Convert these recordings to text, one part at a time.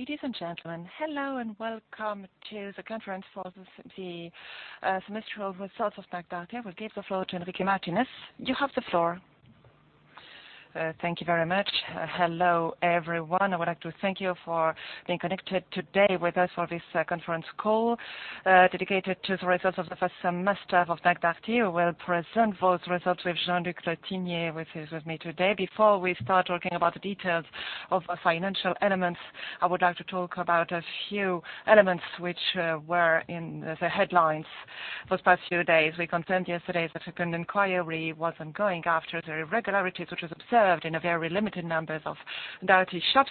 Ladies and gentlemen, hello, and welcome to the conference for the semester results of Fnac Darty. I will give the floor to Enrique Martinez. You have the floor. Thank you very much. Hello, everyone. I would like to thank you for being connected today with us for this conference call dedicated to the results of the first semester of Fnac Darty. We'll present those results with Jean-Brieuc Le Tinier, which is with me today. Before we start talking about the details of financial elements, I would like to talk about a few elements which were in the headlines for the past few days. We confirmed yesterday that a inquiry was ongoing after the irregularities, which was observed in a very limited numbers of Darty shops.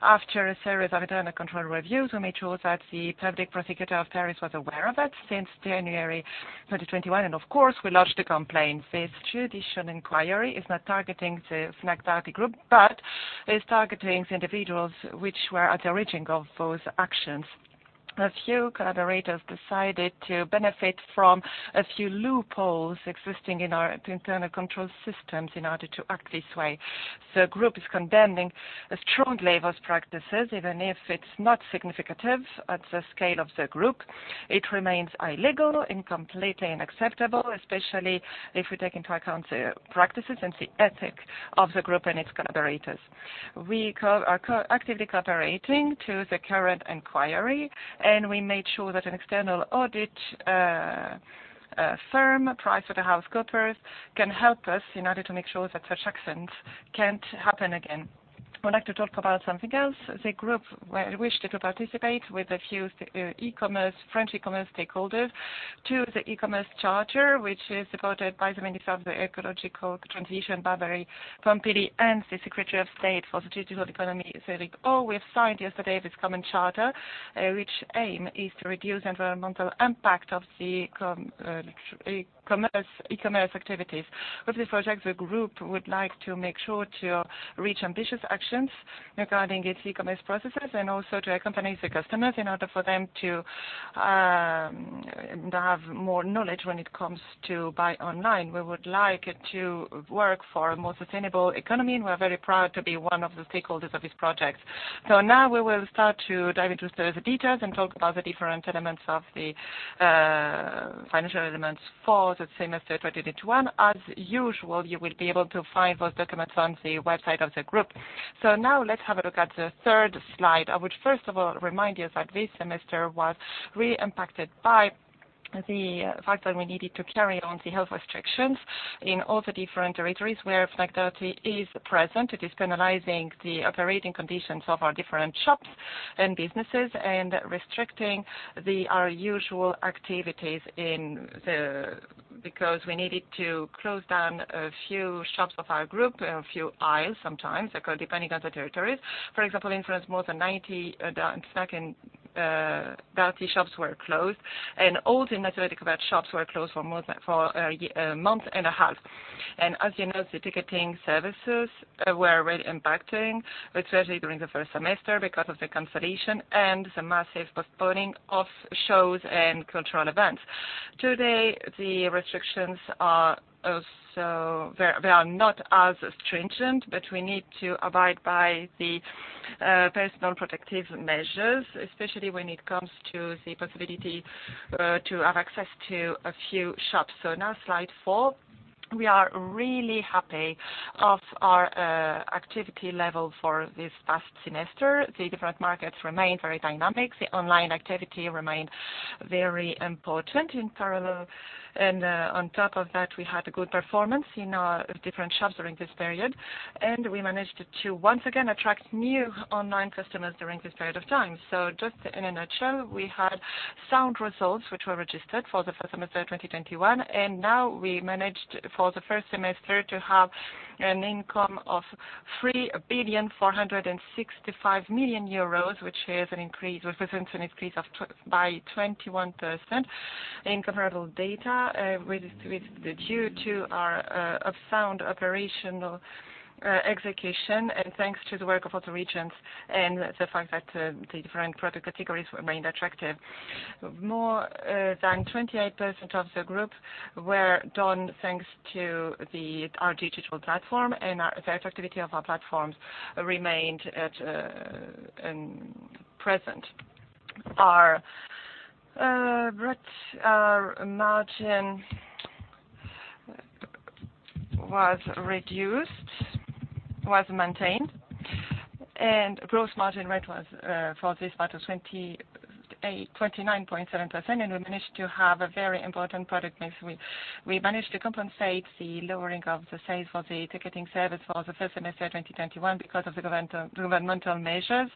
After a series of internal control reviews, we made sure that the public prosecutor of Paris was aware of it since January 2021, of course, we lodged a complaint. This judiciary inquiry is not targeting the Fnac Darty Group, is targeting individuals which were at the origin of those actions. A few collaborators decided to benefit from a few loopholes existing in our internal control systems in order to act this way. The group is condemning strongly those practices, even if it's not significant at the scale of the group. It remains illegal and completely unacceptable, especially if we take into account the practices and the ethics of the group and its collaborators. We are actively cooperating to the current inquiry, we made sure that an external audit firm, PricewaterhouseCoopers, can help us in order to make sure that such actions can't happen again. I would like to talk about something else. The group wished to participate with a few French e-commerce stakeholders to the e-commerce charter, which is supported by the Minister of the Ecological Transition, Barbara Pompili, and the Secretary of State for the Digital Economy, Cédric O. We have signed yesterday this common charter, which aim is to reduce environmental impact of the e-commerce activities. With this project, the group would like to make sure to reach ambitious actions regarding its e-commerce processes and also to accompany the customers in order for them to have more knowledge when it comes to buy online. We would like to work for a more sustainable economy, we're very proud to be one of the stakeholders of this project. Now we will start to dive into the details and talk about the different elements of the financial elements for the semester 2021. As usual, you will be able to find those documents on the website of the group. Now let's have a look at the third slide. I would first of all remind you that this semester was really impacted by the fact that we needed to carry on the health restrictions in all the different territories where Fnac Darty is present. It is penalizing the operating conditions of our different shops and businesses and restricting our usual activities because we needed to close down a few shops of our group, a few aisles sometimes, depending on the territories. For example, in France, more than 90 Darty shops were closed, and all the Fnac Darty shops were closed for a month and a half. As you know, the ticketing services were really impacting, especially during the first semester because of the cancellation and the massive postponing of shows and cultural events. Today, the restrictions are not as stringent, we need to abide by the personal protective measures, especially when it comes to the possibility to have access to a few shops. Now slide four. We are really happy of our activity level for this past semester. The different markets remained very dynamic. The online activity remained very important in parallel. On top of that, we had a good performance in our different shops during this period. We managed to once again attract new online customers during this period of time. Just in a nutshell, we had sound results which were registered for the first semester 2021. Now we managed for the first semester to have an income of 3,465,000,000 euros, which represents an increase by 21% in comparable data, which is due to our sound operational execution, thanks to the work of all the regions and the fact that the different product categories remained attractive. More than 28% of the group were done thanks to our digital platform. The activity of our platforms remained at present. Our margin was maintained. Gross margin rate was, for this part, 29.7%. We managed to have a very important product mix. We managed to compensate the lowering of the sales for the ticketing service for the first semester 2021 because of the governmental measures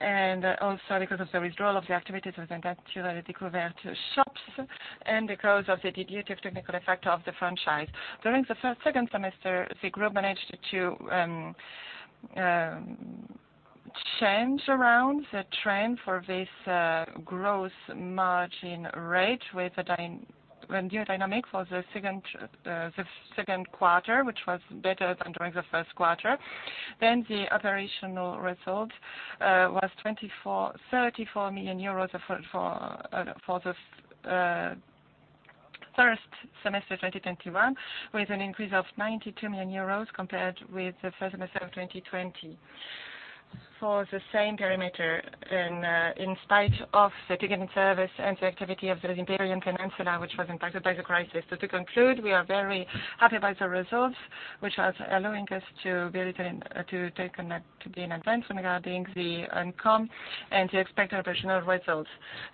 and also because of the withdrawal of the activities of the Darty shops and because of the dilutive technical effect of the franchise. During the second semester, the group managed to change around the trend for this gross margin rate with a new dynamic for the second quarter, which was better than during the first quarter. The operational result was 34 million euros for the first semester 2021, with an increase of 92 million euros compared with the first semester of 2020. For the same parameter and in spite of the ticket service and the activity of the Iberian Peninsula, which was impacted by the crisis. To conclude, we are very happy about the results, which has allowing us to be in advance regarding the income and the expected operational results.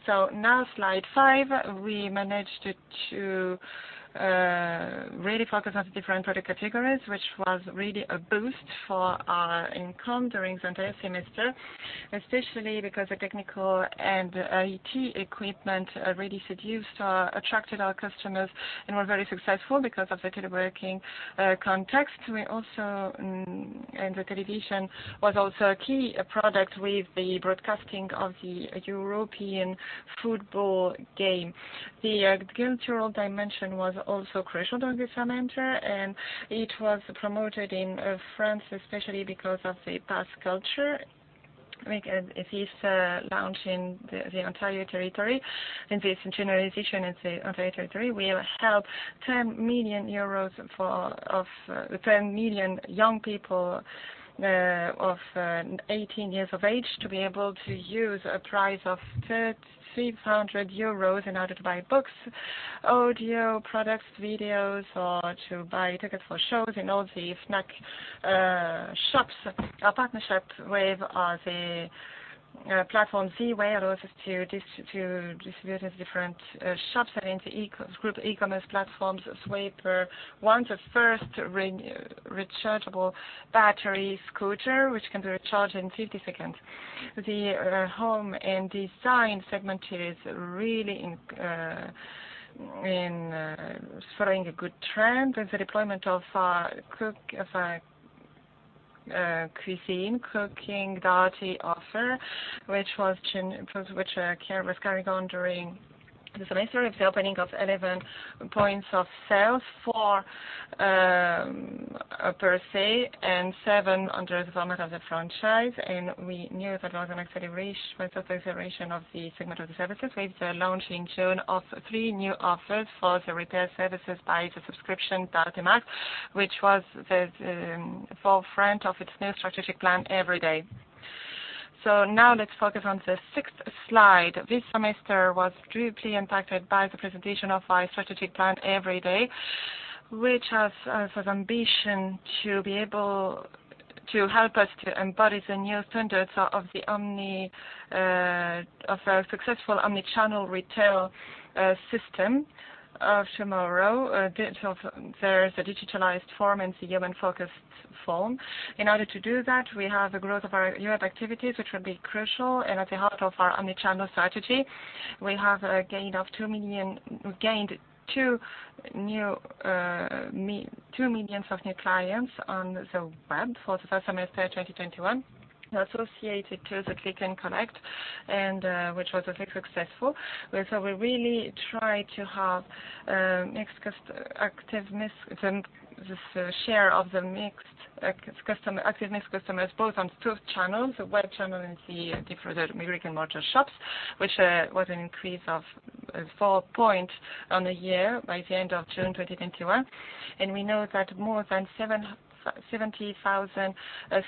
Now slide five, we managed to really focus on the different product categories, which was really a boost for our income during the entire semester, especially because the technical and IT equipment really seduced, attracted our customers, and were very successful because of the teleworking context. The television was also a key product with the broadcasting of the European Football Game. The cultural dimension was also crucial during this semester. It was promoted in France, especially because of the Pass Culture, this launch in the entire territory and this generalization in the entire territory will help 10 million euros of 10 million young people of 18 years of age to be able to use a price of 300 euros in order to buy books, audio products, videos, or to buy tickets for shows in all the Fnac shops. Our partnership with the platform ZEWAY allows us to distribute in different shops and in the group e-commerce platforms swapperOne the first rechargeable battery scooter, which can be recharged in 50 seconds. The home and design segment is really following a good trend with the deployment of our Darty Cuisine offer, which was carried on during the semester with the opening of 11 points of sale, four per se and seven under the format of the franchise. We knew that was an acceleration of the segment of the services with the launch in June of three new offers for the repair services by the subscription Darty Max, which was the forefront of its new strategic plan Everyday. Now let's focus on the sixth slide. This semester was deeply impacted by the presentation of our strategic plan Everyday, which has the ambition to be able to help us to embody the new standards of a successful omni-channel retail system of tomorrow. There is a digitalized form and the human-focused form. In order to do that, we have a growth of our unit activities, which will be crucial, and at the heart of our omni-channel strategy. We have gained 2 million new clients on the web for the first semester 2021, associated to the Click & Collect, which was actually successful. We really try to have the share of the mixed active customers both on two channels, the web channel and the different brick-and-mortar shops, which was an increase of 4 points on the year by the end of June 2021. We know that more than 70,000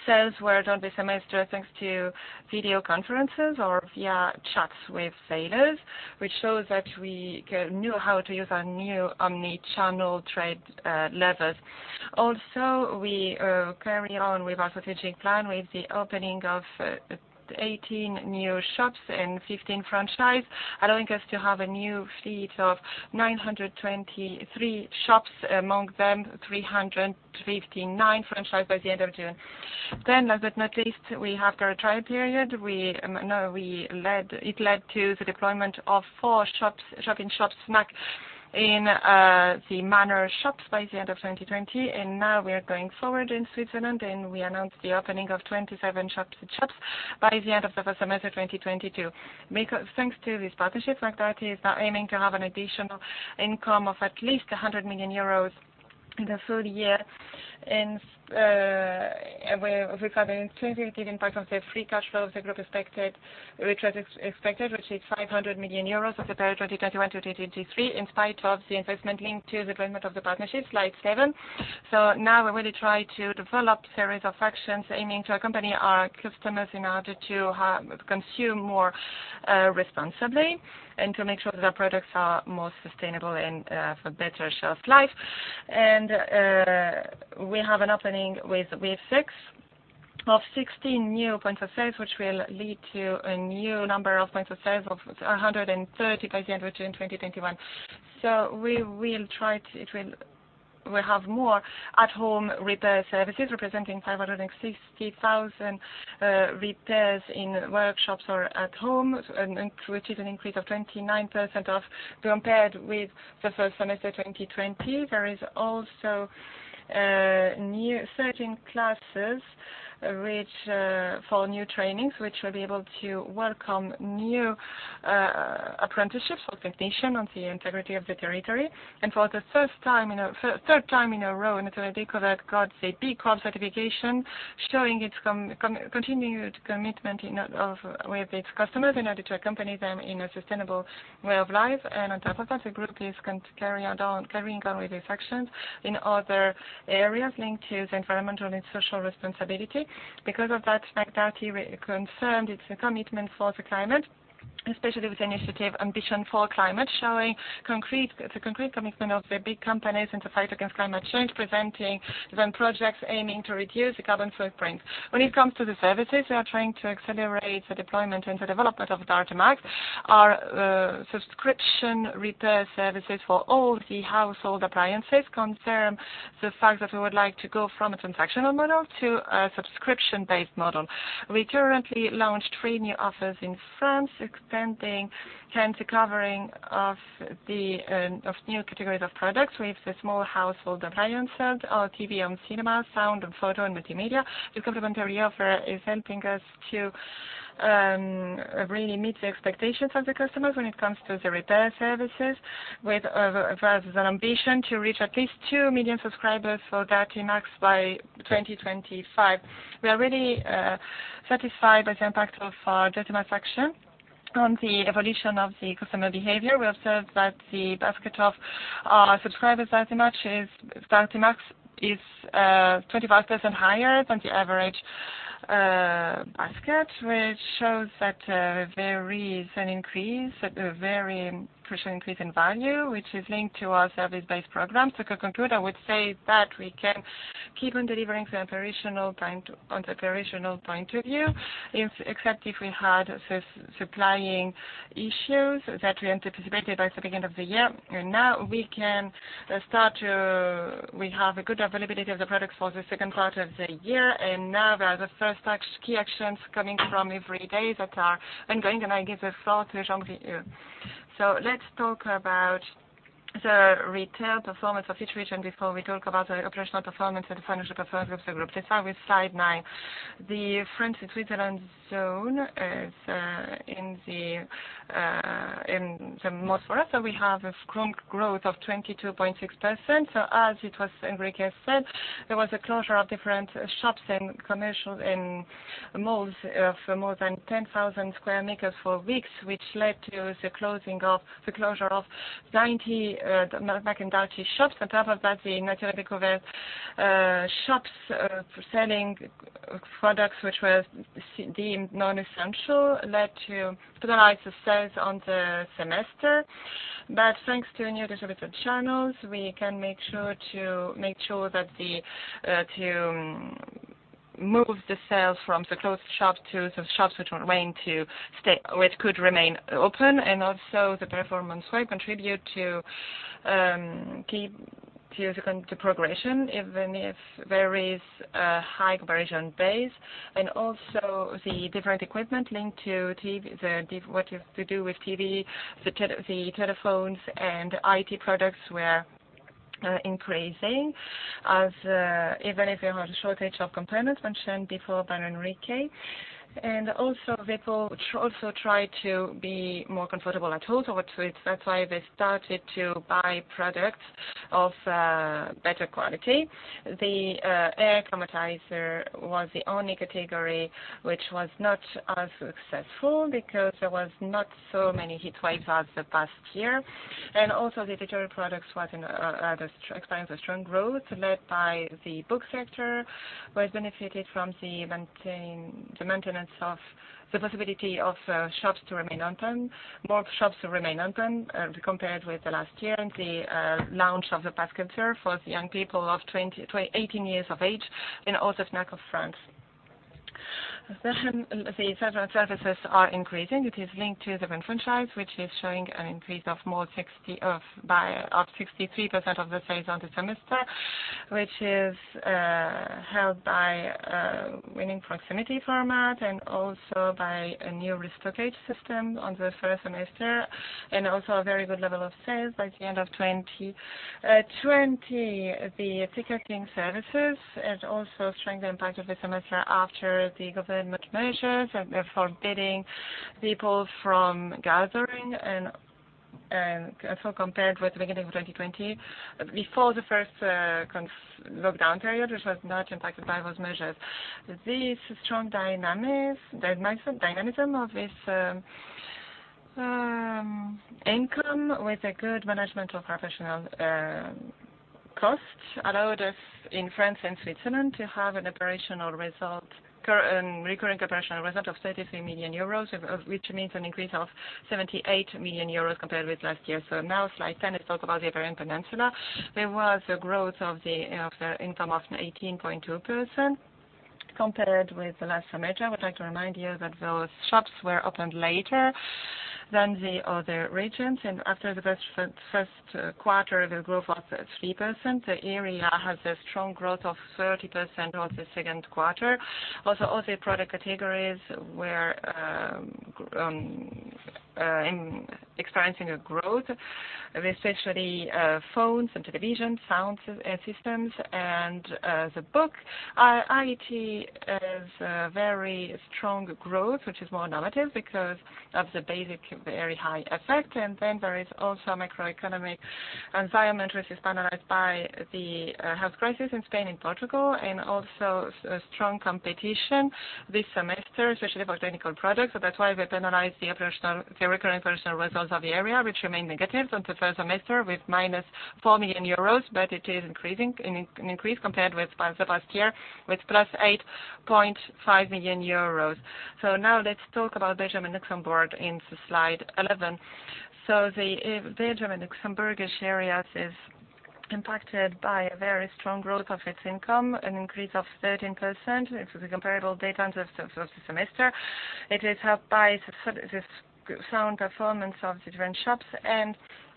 sales were done this semester thanks to video conferences or via chats with sellers, which shows that we knew how to use our new omnichannel trade levels. Also, we carry on with our strategic plan with the opening of 18 new shops and 15 franchise, allowing us to have a new fleet of 923 shops, among them 359 franchise by the end of June. Last but not least, we have our trial period. It led to the deployment of four shop-in-shops Fnac in the Manor shops by the end of 2020. Now we are going forward in Switzerland, and we announced the opening of 27 shop-in-shops by the end of the first semester 2022. Thanks to these partnerships, Fnac Darty is now aiming to have an additional income of at least 100 million euros in the third year regarding the impact on the free cash flow of the group expected, which is 500 million euros of the period 2021-2023, in spite of the investment linked to the deployment of the partnership. Slide seven. Now we really try to develop series of actions aiming to accompany our customers in order to consume more responsibly and to make sure that our products are more sustainable and have a better shelf life. We have an opening with WeFix of 16 new points of sales, which will lead to a new number of points of sales of 130 by the end of June 2021. We'll have more at home repair services representing 560,000 repairs in workshops or at home, which is an increase of 29% compared with the first semester 2020. There is also new 13 classes for new trainings, which will be able to welcome new apprenticeships for technicians on the entirety of the territory. For the third time in a row, Nature & Découvertes got the B Corp Certification, showing its continued commitment with its customers in order to accompany them in a sustainable way of life. On top of that, the group is carrying on with its actions in other areas linked to the environmental and social responsibility. Because of that, Fnac Darty reconfirmed its commitment for the climate, especially with the initiative Ambition for Climate, showing the concrete commitment of the big companies in the fight against climate change, presenting the projects aiming to reduce the carbon footprint. When it comes to the services, we are trying to accelerate the deployment and the development of Darty Max. Our subscription repair services for all the household appliances concern the fact that we would like to go from a transactional model to a subscription-based model. We currently launched three new offers in France, extending the covering of new categories of products with the small household appliances, our TV and cinema, sound and photo, and multimedia. The complementary offer is helping us to really meet the expectations of the customers when it comes to the repair services with an ambition to reach at least 2 million subscribers for Darty Max by 2025. We are really satisfied with the impact of our Darty Max action on the evolution of the customer behavior. We observed that the basket of our subscribers, Darty Max, is 25% higher than the average basket, which shows that there is an increase in value, which is linked to our service-based programs. To conclude, I would say that we can keep on delivering on the operational point of view, except if we had supplying issues that we anticipated at the beginning of the year. Now we have a good availability of the products for the second part of the year. Now there are the first key actions coming from Everyday that are ongoing, and I give the floor to Jean-Brieuc. Let's talk about the retail performance of each region before we talk about the operational performance and financial performance of the group. Let's start with slide nine. The France and Switzerland zone is in the most for us. We have a strong growth of 22.6%. As Enrique said, there was a closure of different shops and commercials in malls for more than 10,000 sq meters for weeks, which led to the closure of 90 Darty shops. On top of that, the Nature & Découvertes shops for selling products which were deemed non-essential led to the rise of sales on the semester. Thanks to new digital channels, we can make sure to move the sales from the closed shops to the shops which could remain open. The performance web contribute to the progression, even if there is a high comparison base. The different equipment linked to what you have to do with TV, the telephones, and IT products were increasing, even if you have a shortage of components mentioned before by Enrique. People also try to be more comfortable at home. That's why they started to buy products of better quality. The air climatizer was the only category which was not as successful because there was not so many heatwaves as the past year. The digital products experienced a strong growth led by the book sector, which benefited from the possibility of more shops to remain open compared with the last year, and the launch of the Pass Culture for the young people of 18 years of age in all the Fnac stores of France. The services are increasing. It is linked to the WeFix franchise, which is showing an increase of 63% of the sales on the semester, which is helped by winning proximity format and also by a new restockage system on the first semester, and also a very good level of sales by the end of 2020. The ticketing services also showed strength impact of the semester after the government measures forbidding people from gathering, compared with the beginning of 2020, before the first lockdown period, which was not impacted by those measures. This strong dynamism of this income with a good management of professional costs allowed us in France and Switzerland to have a recurring operational result of 33 million euros, which means an increase of 78 million euros compared with last year. Now slide 10, let's talk about the Iberian Peninsula. There was a growth of the income of 18.2% compared with the last semester. I would like to remind you that those shops were opened later than the other regions. After the first quarter, the growth was 3%. The area has a strong growth of 30% of the second quarter. Also, all the product categories were experiencing a growth. Especially phones and televisions, sound systems, and the book. IT has very strong growth, which is more normative because of the base, very high effect. There is also macroeconomic environment, which is penalized by the health crisis in Spain and Portugal, also strong competition this semester, especially for technical products. That's why we penalize the recurring operational results of the area, which remain negative on the first semester with -4 million euros. It is an increase compared with the past year, with +8.5 million euros. Let's talk about Belgium and Luxembourg in slide 11. The Belgium and Luxembourg areas is impacted by a very strong growth of its income, an increase of 13%. This is the comparable data of the semester. It is helped by the sound performance of the different shops and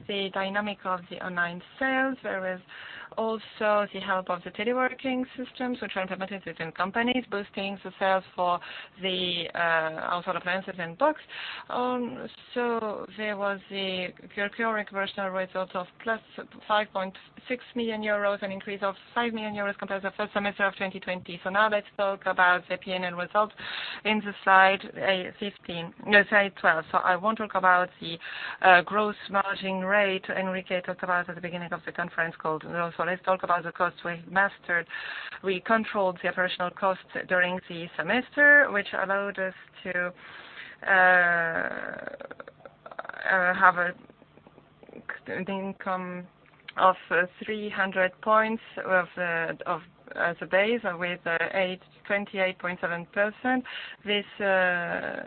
the dynamic of the online sales. There is also the help of the teleworking system, which are implemented within companies, boosting the sales for the appliances and books. There was the recurring operational results of +5.6 million euros, an increase of 5 million euros compared to the first semester of 2020. Let's talk about the P&L results in slide 12. I want to talk about the gross margin rate Enrique talked about at the beginning of the conference call. Let's talk about the costs we mastered. We controlled the operational costs during the semester, which allowed us to have an income of 300 basis points with 28.7%. This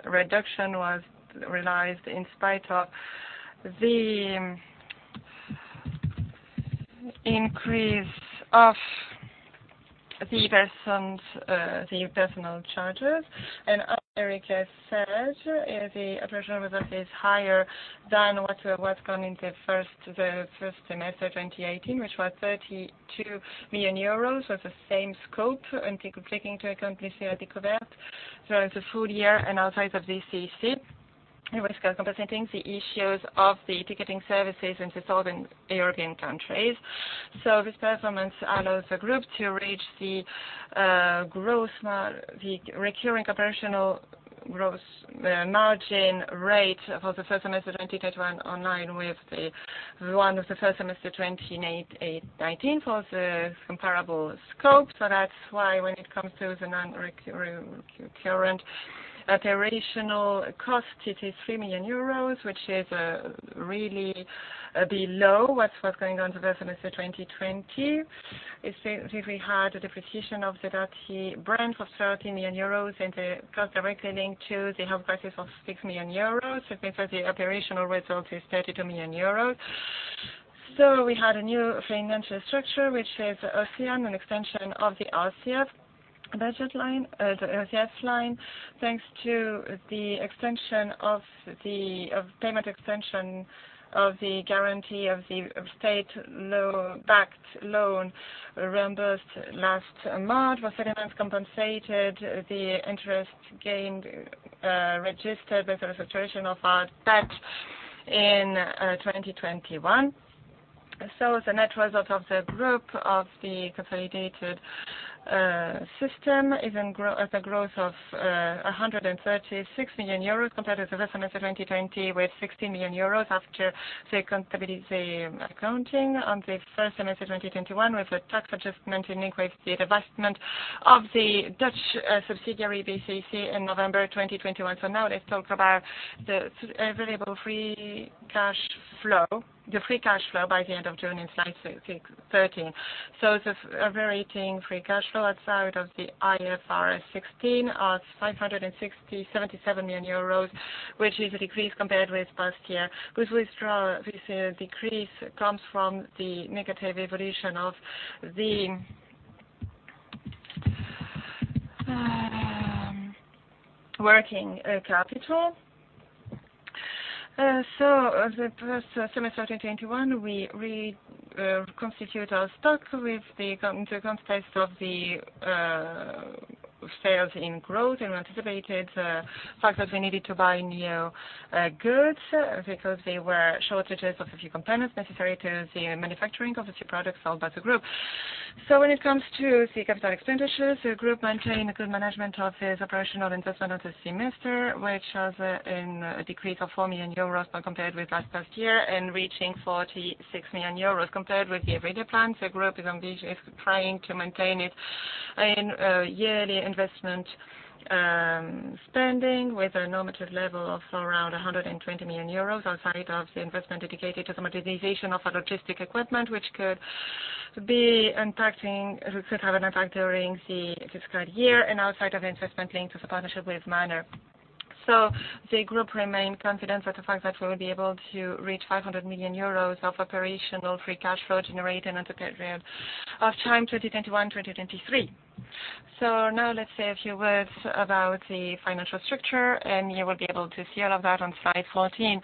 reduction was realized in spite of the increase of the personal charges. As Enrique said, the operational result is higher than what went in the first semester 2018, which was 32 million euros. The same scope, and taking into account the Nature & Découverte throughout the full year and outside of the BCC, and risk compensating the issues of the ticketing services in the Southern European countries. This performance allows the group to reach the recurring operational gross margin rate for the first semester 2021 in line with the one of the first semester 2019 for the comparable scope. That's why when it comes to the non-recurring operational cost, it is 3 million euros, which is really below what was going on the first semester 2020, since we had the depreciation of the Darty brand for 13 million euros and the cost directly linked to the health crisis of 6 million euros. It means that the operational result is 32 million euros. We had a new financial structure, which is OCEANE, an extension of the RCF budget line, the RCF line. Thanks to the payment extension of the guarantee of the state-backed loan reimbursed last March, was Fnac compensated the interest gained, registered with the restructuring of our debt in 2021. The net result of the group of the consolidated system is a growth of 136 million euros compared to the first semester 2020 with 16 million euros after the accounting on the first semester 2021, with the tax adjustment in link with the divestment of the Dutch subsidiary, BCC, in November 2021. Now let's talk about the available free cash flow by the end of June in slide 13. The operating free cash flow outside of the IFRS 16 of 577 million euros, which is a decrease compared with past year. This decrease comes from the negative evolution of the working capital. The first semester 2021, we reconstitute our stock into context of the sales in growth and anticipated the fact that we needed to buy new goods because there were shortages of a few components necessary to the manufacturing of the products sold by the group. When it comes to the capital expenditures, the group maintain a good management of its operational investment of the semester, which has a decrease of 4 million euros when compared with last past year and reaching 46 million euros compared with the original plan. The group is trying to maintain its yearly investment spending with a normative level of around 120 million euros outside of the investment dedicated to the modernization of our logistic equipment, which could have an impact during the fiscal year and outside of investment linked to the partnership with Manor. The Group remain confident with the fact that we will be able to reach 500 million euros of operational free cash flow generated at the period of time 2021-2023. Now let's say a few words about the financial structure, and you will be able to see all of that on slide 14.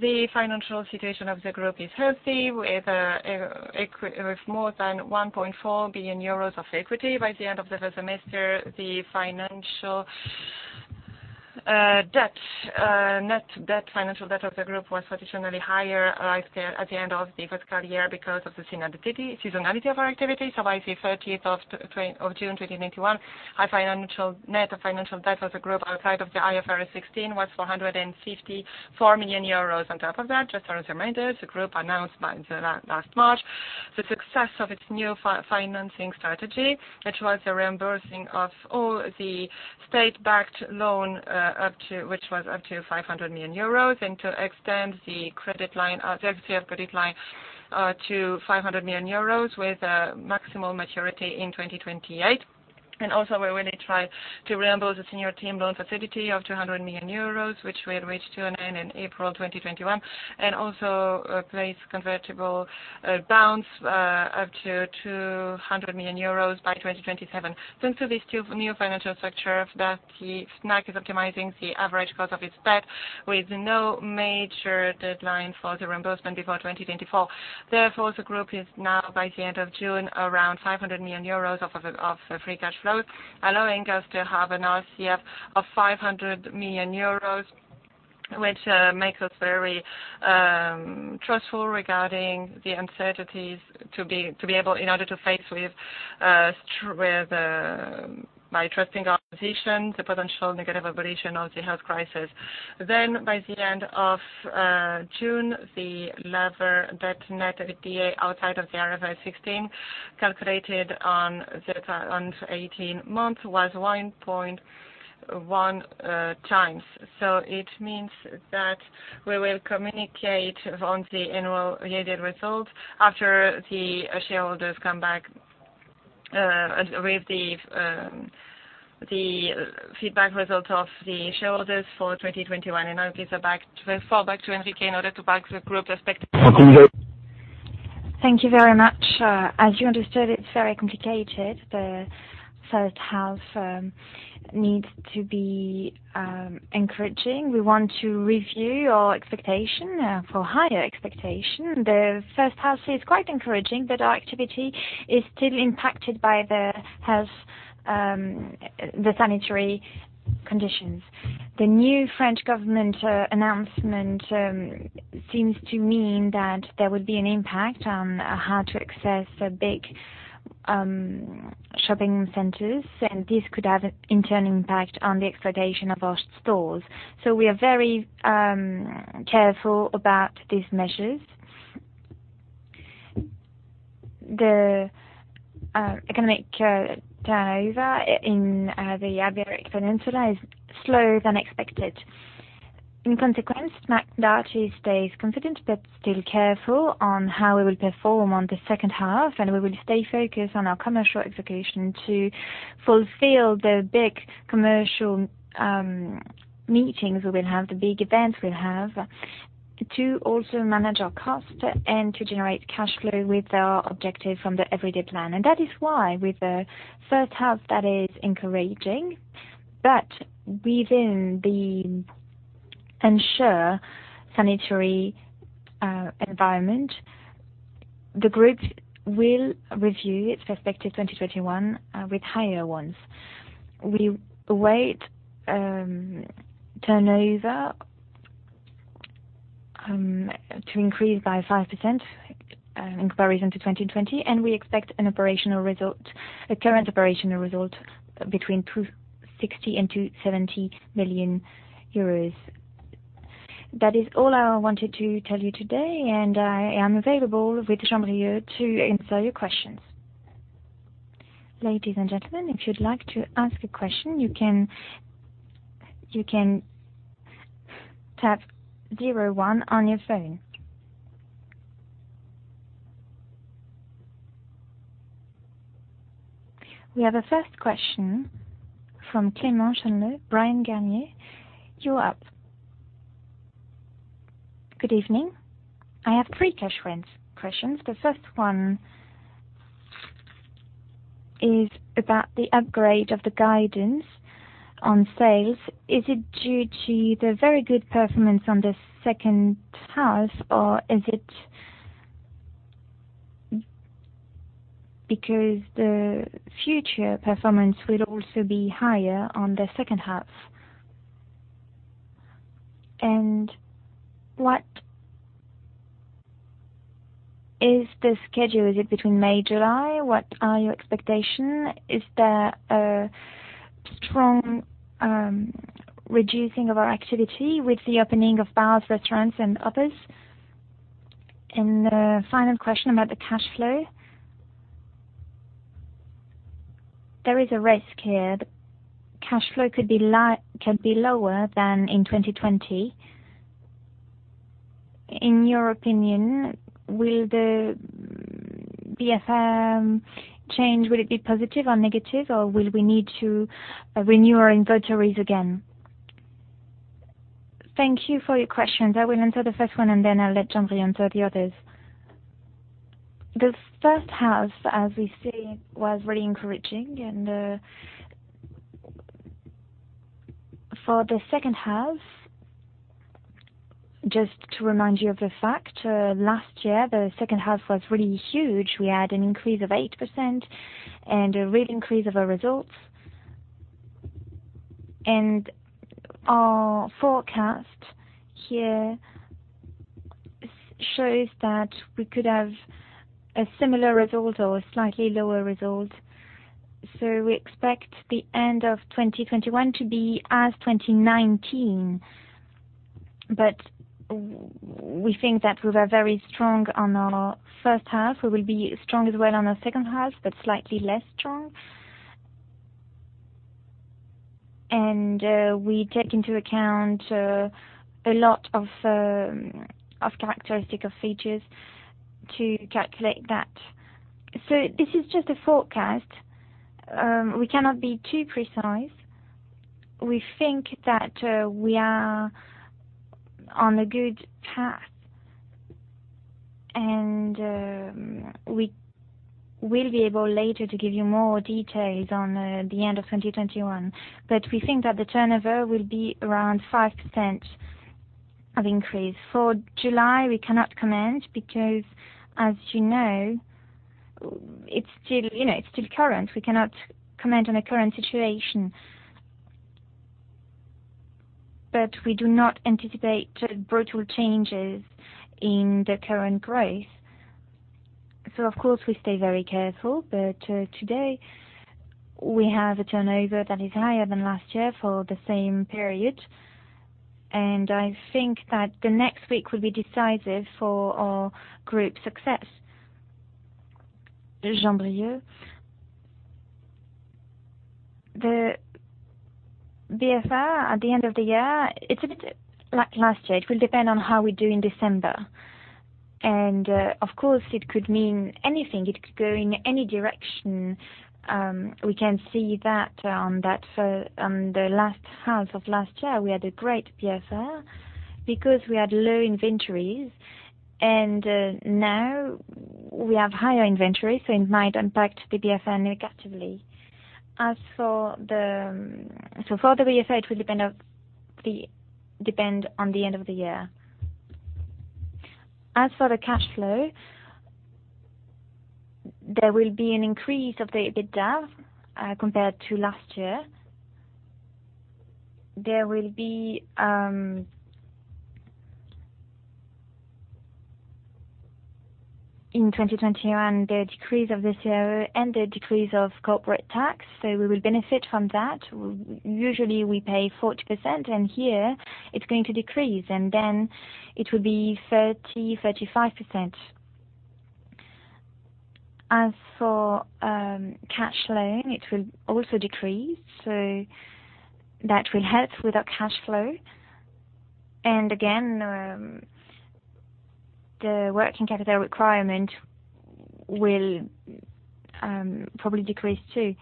The financial situation of the Group is healthy with more than 1.4 billion euros of equity by the end of the first semester. The Net financial debt of the Group was traditionally higher at the end of the fiscal year because of the seasonality of our activity. By the end of June 30th 2021, our net financial debt as a Group outside of the IFRS 16 was 454 million euros. On top of that, just as a reminder, the group announced last March the success of its new financing strategy, which was the reimbursing of all the state-backed loan which was up to 500 million euros, and to extend the credit line to 500 million euros with a maximum maturity in 2028. We really try to reimburse the senior term loan facility of 200 million euros, which we had reached in April 2021, and also place convertible bonds up to 200 million euros by 2027. Thanks to this new financial structure, Fnac is optimizing the average cost of its debt with no major deadline for the reimbursement before 2024. Therefore, the group is now by the end of June, around 500 million euros of free cash flows, allowing us to have enough RCF of 500 million euros, which makes us very trustful regarding the uncertainties in order to face with, by trusting our position, the potential negative evolution of the health crisis. By the end of June, the lever debt net of the D&A outside of the IFRS 16, calculated on 18 months, was 1.1x. It means that we will communicate on the annual related results after the shareholders come back with the feedback results of the shareholders for 2021. Now I fall back to Enrique in order to back the group perspective. Thank you very much. As you understood, it's very complicated. The first half needs to be encouraging. We want to review our expectation for higher expectation. The first half is quite encouraging, our activity is still impacted by the sanitary conditions. The new French government announcement seems to mean that there would be an impact on how to access big shopping centers, this could have an internal impact on the exploitation of our stores. We are very careful about these measures. The economic turnover in the year expected is slower than expected. In consequence, Fnac Darty stays confident but still careful on how we will perform on the second half, and we will stay focused on our commercial execution to fulfill the big commercial meetings we will have, the big events we'll have, to also manage our cost and to generate cash flow with our objective from the Everyday plan. That is why with the first half, that is encouraging, but within the unsure sanitary environment, the Group will review its perspective 2021 with higher ones. We await turnover to increase by 5% in comparison to 2020, and we expect a current operational result between 260 million and 270 million euros. That is all I wanted to tell you today, and I am available with Jean-Brieuc Le Tinier to answer your questions. Ladies and gentlemen, if you'd like to ask a question, you can tap zero one on your phone. We have a first question from Clément Genelot, Bryan Garnier. You're up. Good evening. I have three questions. The first one is about the upgrade of the guidance on sales. Is it due to the very good performance on the second half, or is it because the future performance will also be higher on the second half? What is the schedule? Is it between May, July? What are your expectation? Is there a strong reducing of our activity with the opening of bars, restaurants and others? The final question about the cash flow. There is a risk here that cash flow could be lower than in 2020. In your opinion, will the BFR change, will it be positive or negative, or will we need to renew our inventories again? Thank you for your questions. I will answer the first one, and then I'll let Jean-Brieuc answer the others. The first half, as we see, was really encouraging. Just to remind you of the fact, last year, the second half was really huge. We had an increase of 8% and a real increase of our results. Our forecast here shows that we could have a similar result or a slightly lower result. We expect the end of 2021 to be as 2019. We think that we were very strong on our first half. We will be strong as well on our second half, but slightly less strong. We take into account a lot of characteristic of features to calculate that. This is just a forecast. We cannot be too precise. We think that we are on a good path, and we will be able later to give you more details on the end of 2021. We think that the turnover will be around 5% of increase. For July, we cannot comment because as you know, it's still current. We cannot comment on a current situation. We do not anticipate brutal changes in the current growth. Of course, we stay very careful, but today we have a turnover that is higher than last year for the same period. I think that the next week will be decisive for our group success. Jean-Brieuc. The BFR at the end of the year, it's a bit like last year. It will depend on how we do in December. Of course, it could mean anything. It could go in any direction. We can see that on the last half of last year, we had a great BFR because we had low inventories and now we have higher inventories, so it might impact the BFR negatively. For the BFR, it will depend on the end of the year. As for the cash flow, there will be an increase of the EBITDA compared to last year. There will be, in 2021, the decrease of the ROC and the decrease of corporate tax, so we will benefit from that. Usually, we pay 40%, and here it's going to decrease, and then it will be 30%, 35%. As for cash loan, it will also decrease, so that will help with our cash flow. Again, the working capital requirement will probably decrease too.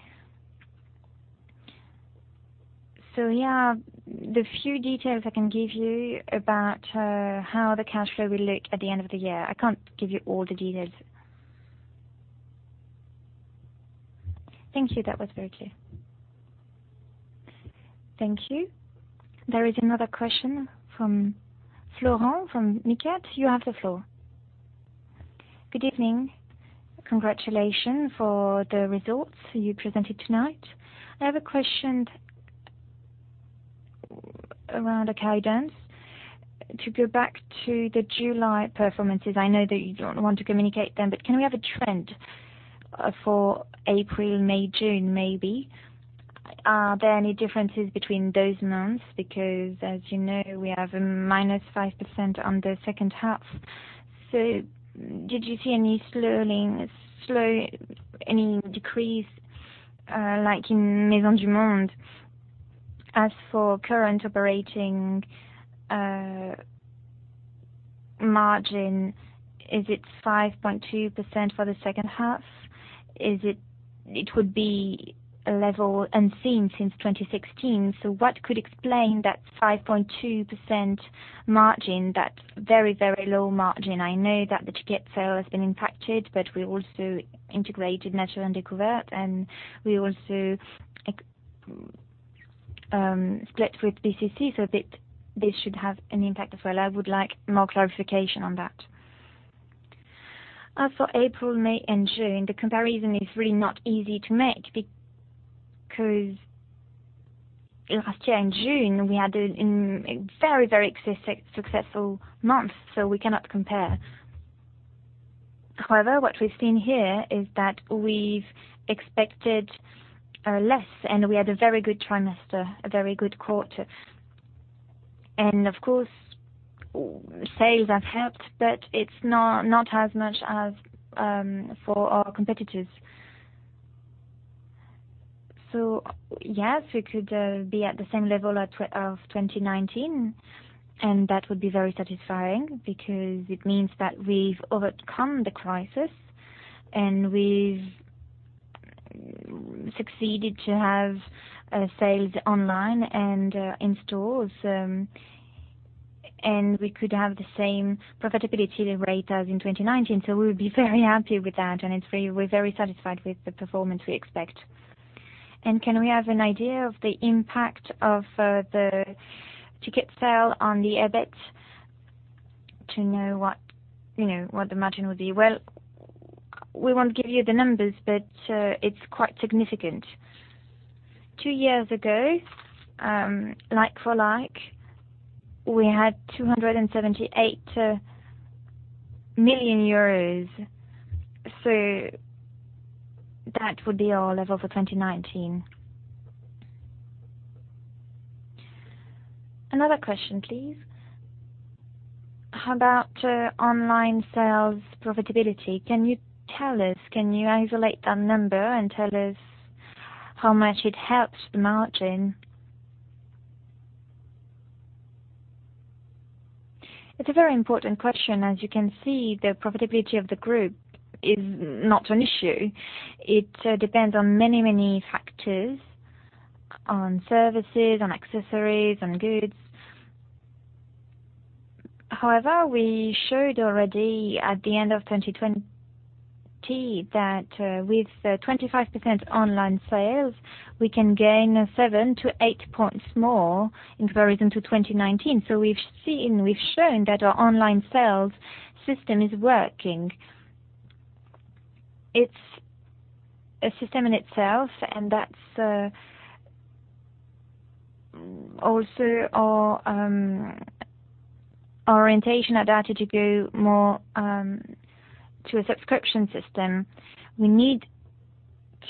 Yeah, the few details I can give you about how the cash flow will look at the end of the year. I can't give you all the details. Thank you. That was very clear. Thank you. There is another question from Florent from Midcap. You have the floor. Good evening. Congratulations for the results you presented tonight. I have a question around the guidance. To go back to the July performances, I know that you don't want to communicate them, but can we have a trend for April, May, June, maybe? Are there any differences between those months? As you know, we have a -5% on the second half. Did you see any decrease like in Maisons du Monde? As for current operating margin, is it 5.2% for the second half? It would be a level unseen since 2016. What could explain that 5.2% margin, that very low margin? I know that the ticket sale has been impacted, but we also integrated Nature & Découvertes and we also split with BCC, so this should have an impact as well. I would like more clarification on that. For April, May, and June, the comparison is really not easy to make because last year in June, we had a very successful month, so we cannot compare. However, what we've seen here is that we've expected less, and we had a very good trimester, a very good quarter. Of course, sales have helped, but it's not as much as for our competitors. Yes, we could be at the same level of 2019, and that would be very satisfying because it means that we've overcome the crisis and we've succeeded to have sales online and in stores. We could have the same profitability rate as in 2019. We would be very happy with that, and we're very satisfied with the performance we expect. Can we have an idea of the impact of the ticket sale on the EBIT to know what the margin would be? Well, we won't give you the numbers, but it's quite significant. Two years ago, like for like, we had 278 million euros. That would be our level for 2019. Another question, please. How about online sales profitability? Can you tell us? Can you isolate that number and tell us how much it helps the margin? It's a very important question. As you can see, the profitability of the group is not an issue. It depends on many factors, on services, on accessories, on goods. We showed already at the end of 2020 that with 25% online sales, we can gain 7 points-8 points more in comparison to 2019. We've shown that our online sales system is working. It's a system in itself, and that's also our orientation at Darty to go more to a subscription system. We need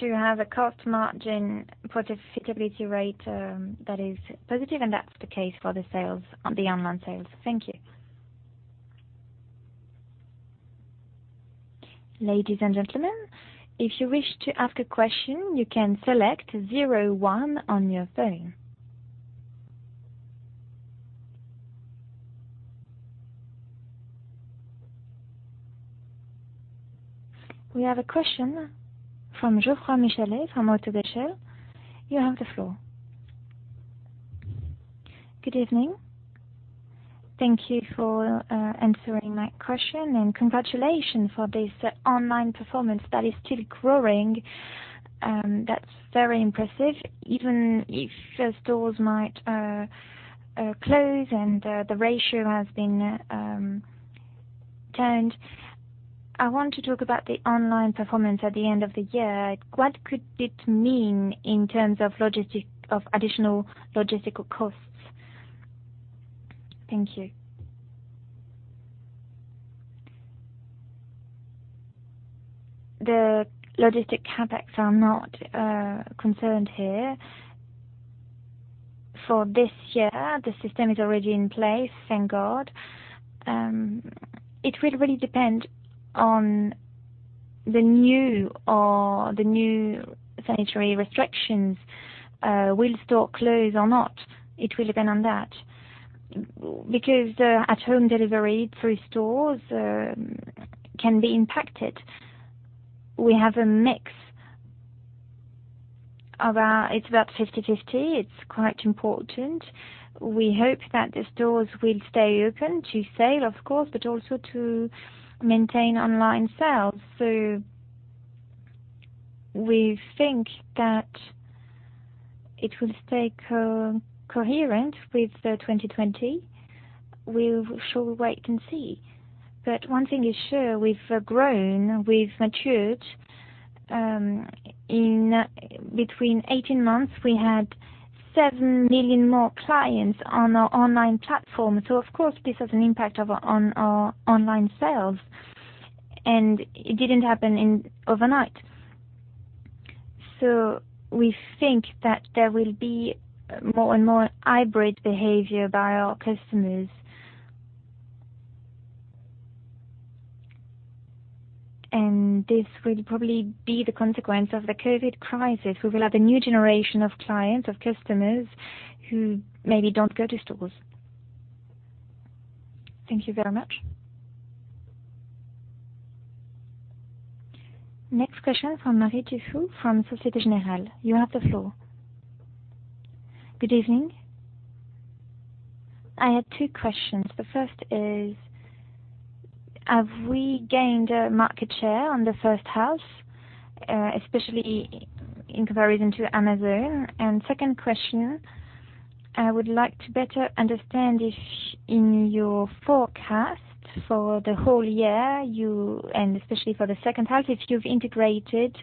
to have a cost margin profitability rate that is positive, and that's the case for the online sales. Thank you. Ladies and gentlemen, if you wish to ask a question, you can select zero one on your phone. We have a question from Geoffroy Michalet from ODDO BHF. You have the floor. Good evening. Thank you for answering my question, and congratulations for this online performance that is still growing. That's very impressive, even if the stores might close and the ratio has been turned. I want to talk about the online performance at the end of the year. What could it mean in terms of additional logistical costs? Thank you. The logistic CapEx are not concerned here. For this year, the system is already in place, thank God. It will really depend on the new sanitary restrictions. Will stores close or not? It will depend on that because at home delivery through stores can be impacted. We have a mix. It's about 50/50. It's quite important. We hope that the stores will stay open to sell, of course, but also to maintain online sales. We think that it will stay coherent with 2020. We shall wait and see. One thing is sure, we've grown, we've matured. Between 18 months, we had 7 million more clients on our online platform. Of course, this has an impact on our online sales, and it didn't happen overnight. We think that there will be more and more hybrid behavior by our customers. This will probably be the consequence of the COVID crisis. We will have a new generation of clients, of customers who maybe don't go to stores. Thank you very much. Next question from Marie-Line Fort from Société Générale. You have the floor. Good evening. I had two questions. The first is, have we gained market share on the first half, especially in comparison to Amazon? Second question, I would like to better understand if in your forecast for the whole year, and especially for the second half, if you've integrated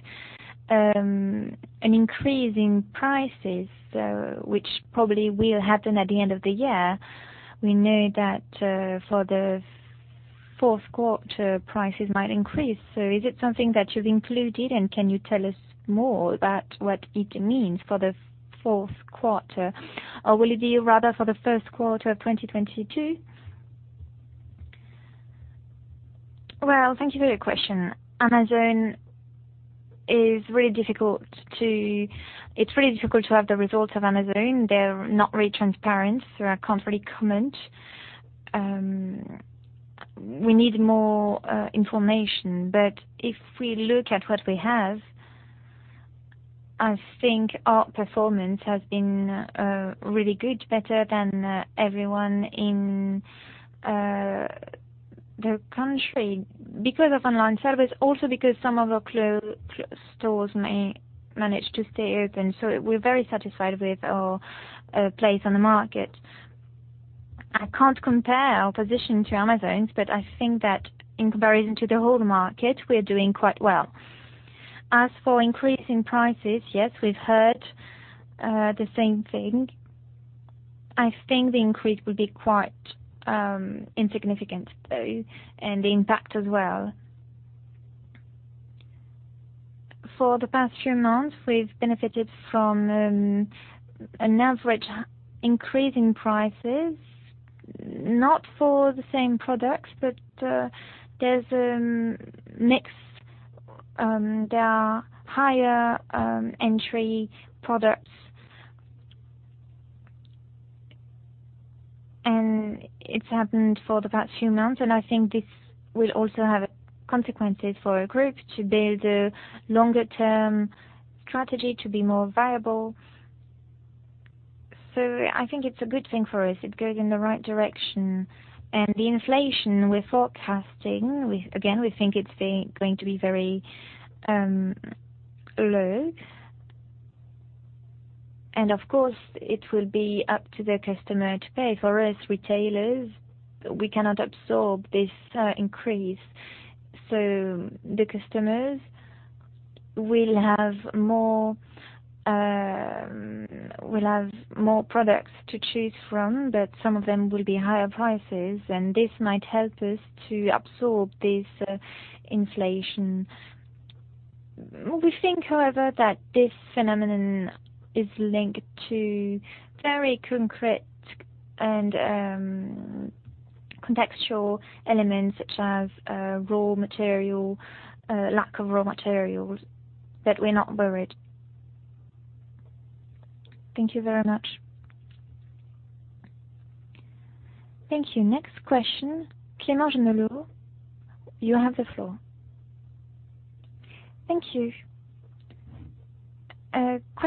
an increase in prices, which probably will happen at the end of the year. We know that for the fourth quarter, prices might increase. Is it something that you've included, and can you tell us more about what it means for the fourth quarter? Or will it be rather for the first quarter of 2022? Well, thank you for your question. Amazon is really difficult to have the results of Amazon. They're not very transparent. They are contrary comment. We need more information. If we look at what we have, I think our performance has been really good, better than everyone in the country because of online service also because some of our stores managed to stay open, so we're very satisfied with our place on the market. I can't compare our position to Amazon's, but I think that in comparison to the whole market, we are doing quite well. As for increasing prices, yes, we've heard the same thing. I think the increase will be quite insignificant, though, and the impact as well. For the past few months, we've benefited from an average increase in prices, not for the same products, but there's a mix. There are higher entry products. It's happened for the past few months, and I think this will also have consequences for our Group to build a longer-term strategy to be more viable. I think it's a good thing for us. It's going in the right direction. The inflation we're forecasting, again, we think it's going to be very low. Of course, it will be up to the customer to pay. For us retailers, we cannot absorb this increase, so the customers will have more products to choose from, but some of them will be higher prices, and this might help us to absorb this inflation. We think, however, that this phenomenon is linked to very concrete and contextual elements such as raw material, lack of raw materials. We're not worried. Thank you very much. Thank you. Next question, Clément Genelot, you have the floor. Thank you.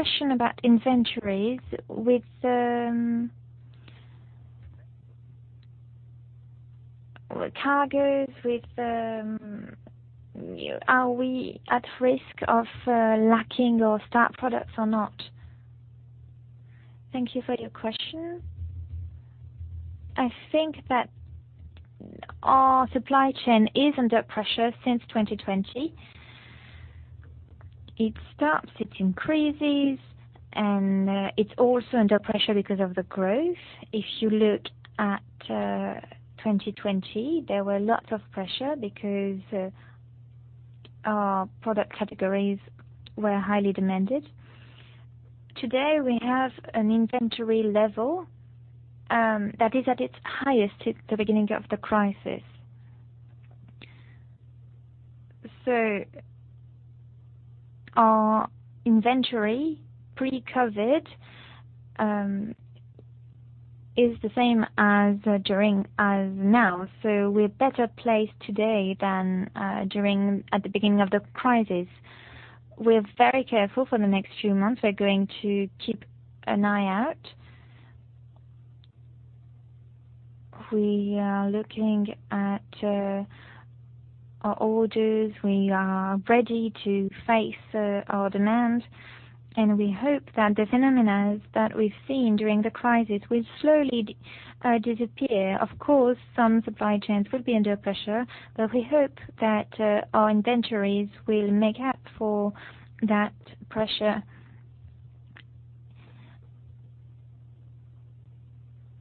A question about inventories with the cargos, are we at risk of lacking or stock products or not? Thank you for your question. I think that our supply chain is under pressure since 2020. It stops, it increases. It's also under pressure because of the growth. If you look at 2020, there were lots of pressure because our product categories were highly demanded. Today, we have an inventory level that is at its highest at the beginning of the crisis. Our inventory pre-COVID is the same as now. We're better placed today than at the beginning of the crisis. We're very careful for the next few months. We're going to keep an eye out. We are looking at our orders. We are ready to face our demands. We hope that the phenomena that we've seen during the crisis will slowly disappear. Of course, some supply chains will be under pressure. We hope that our inventories will make up for that pressure.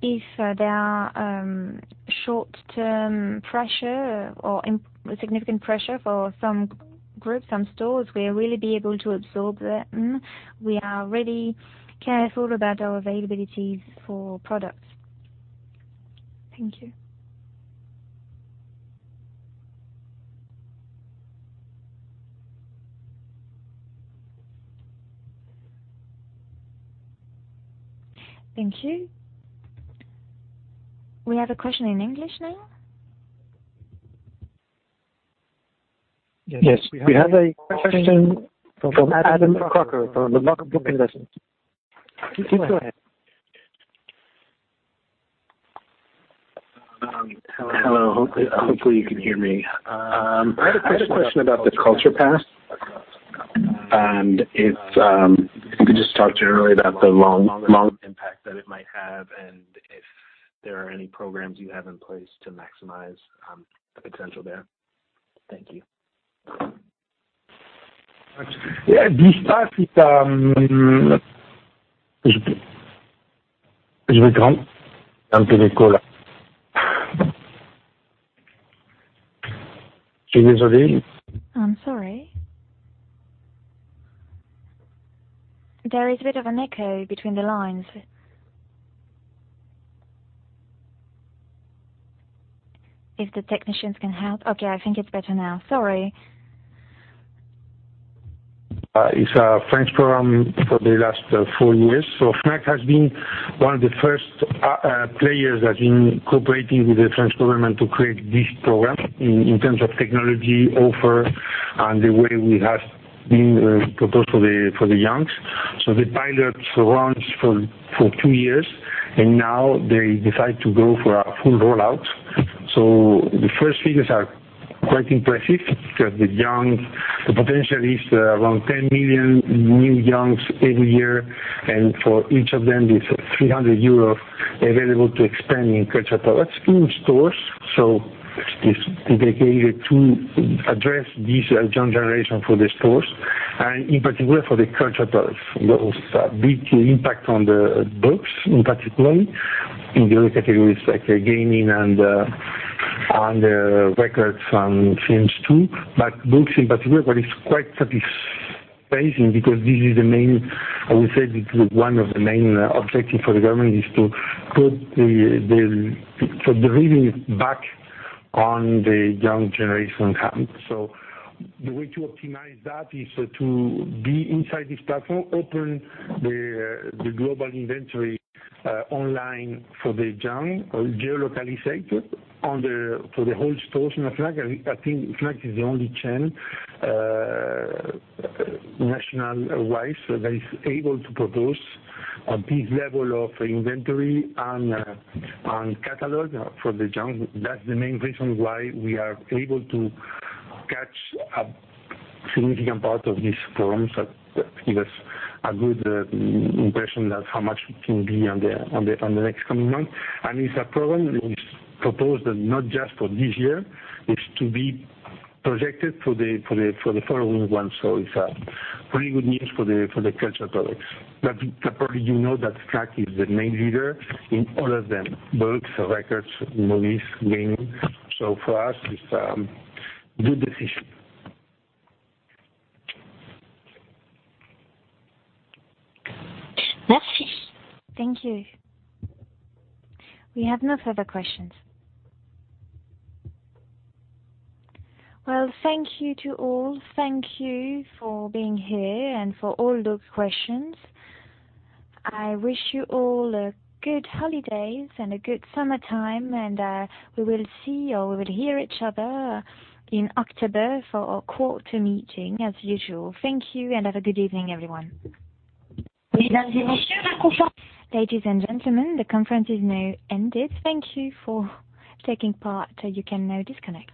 If there are short-term pressure or significant pressure for some groups, some stores, we'll really be able to absorb them. We are really careful about our availabilities for products. Thank you. Thank you. We have a question in English now. Yes. We have a question from Adam Crocker, from Logbook Investments. Please go ahead. Hello. Hopefully, you can hear me. I had a question about the Culture Pass, and if you could just talk generally about the long impact that it might have and if there are any programs you have in place to maximize the potential there. Thank you. I'm sorry. There is a bit of an echo between the lines. If the technicians can help. Okay, I think it's better now. Sorry. It's a French program for the last four years. Fnac has been one of the first players that's been cooperating with the French government to create this program in terms of technology offer and the way we have been proposed for the youngs. The pilot runs for two years, and now they decide to go for a full rollout. The first figures are quite impressive because the potential is around 10 million new youngs every year, and for each of them, there's 300 euros available to expand in culture products in stores. They're going to address this young generation for the stores, and in particular for the culture products. There was a big impact on the books in particular. In the other categories like gaming and records and films too, but books in particular is quite satisfying because this is the main, I would say one of the main objectives for the government is to put the reading back on the young generation hands. The way to optimize that is to be inside this platform, open the global inventory online for the young or geo-localized for the whole stores in Fnac. I think Fnac is the only chain, national-wise, that is able to propose this level of inventory and catalog for the young. That's the main reason why we are able to catch a significant part of this programme that give us a good impression of how much it can be on the next coming months. It's a program that is proposed not just for this year, it's to be projected for the following one. It's a pretty good news for the culture products. Probably you know that Fnac is the main leader in all of them, books, records, movies, gaming. For us, it's a good decision. Thank you. We have no further questions. Well, thank you to all. Thank you for being here and for all those questions. I wish you all a good holidays and a good summertime, and we will see or we will hear each other in October for our quarter meeting as usual. Thank you and have a good evening everyone.